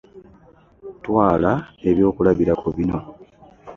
Twala ebyokulabirako bino